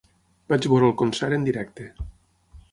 Vaig veure el concert en directe.